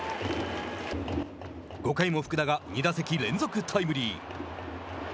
５回も福田が２打席連続タイムリー。